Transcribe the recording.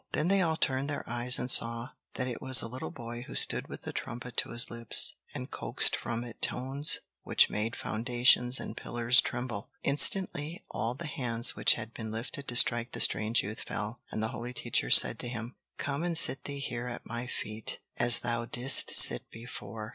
Then they all turned their eyes and saw that it was a little boy who stood with the trumpet to his lips and coaxed from it tones which made foundations and pillars tremble. Instantly, all the hands which had been lifted to strike the strange youth fell, and the holy teacher said to him: "Come and sit thee here at my feet, as thou didst sit before!